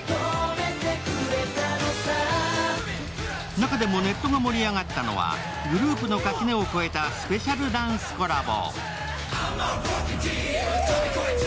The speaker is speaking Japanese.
中でもネットが盛り上がったのはグループの垣根を越えたスペシャルダンスコラボ。